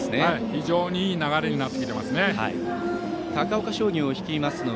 非常にいい流れになってきていますね。